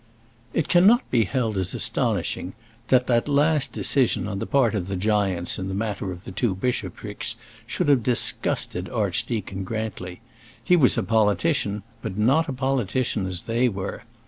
It cannot be held as astonishing, that that last decision on the part of the giants in the matter of the two bishoprics should have disgusted Archdeacon Grantly. He was a politician, but not a politician as they were.